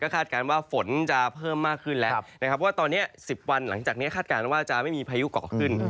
คาดการณ์ว่าฝนจะเพิ่มมากขึ้นแล้วนะครับว่าตอนนี้๑๐วันหลังจากนี้คาดการณ์ว่าจะไม่มีพายุเกาะขึ้น